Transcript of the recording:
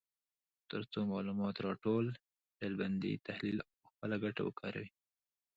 تر څو معلومات راټول، ډلبندي، تحلیل او په خپله ګټه وکاروي.